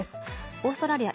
オーストラリア